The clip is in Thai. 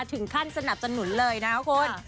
ถึงขั้นสนับสนุนเลยนะครับคุณ